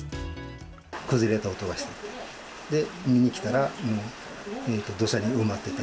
崩れた音がして、で、見に来たら、土砂に埋まってて。